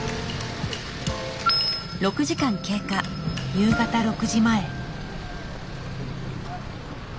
夕方６時前。